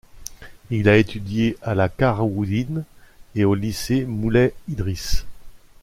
Il a étudié à la Quaraouiyine et au Lycée Moulay-Idriss.